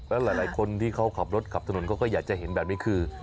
แล้วหลายคนที่เขาขับรถขับถนนเขาก็อยากจะเห็นแบบนี้คือ